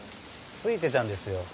ついてたんですよ。